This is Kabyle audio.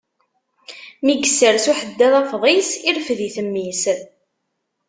Mi yessers uḥeddad afḍis, irefd-it mmi-s.